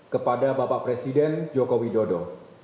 kepada bapak presiden joko widodo